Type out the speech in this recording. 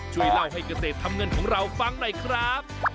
ช่วยเล่าให้เกษตรทำเงินของเราฟังหน่อยครับ